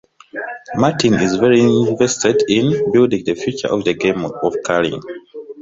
Martin is very invested in building the future of the game of curling.